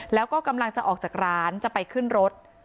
แล้วก็กำลังจะออกจากร้านจะไปขึ้นรถ